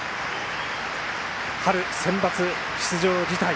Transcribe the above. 春センバツ出場辞退